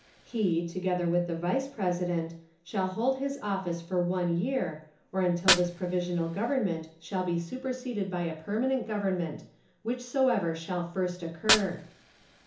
He, together with the Vice President, shall hold his office for one year, or until this Provisional Government shall be superseded by a permanent Government, whichsoever shall first occur.